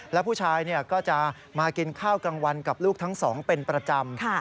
แล้วผู้ชายก็จะมากินข้าวกลางวันกับลูกทั้งสองเป็นประจำ